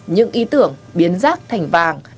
những ý tưởng biến rác thành vàng